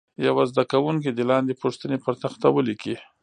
یو زده کوونکی دې لاندې پوښتنې پر تخته ولیکي.